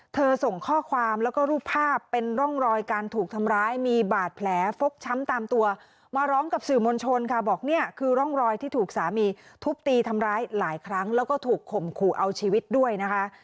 ส่งข้อความแล้วก็รูปภาพเป็นร่องรอยการถูกทำร้ายมีบาดแผลฟกช้ำตามตัวมาร้องกับสื่อมวลชนค่ะบอกเนี่ยคือร่องรอยที่ถูกสามีทุบตีทำร้ายหลายครั้งแล้วก็ถูกข่มขู่เอาชีวิตด้วยนะคะ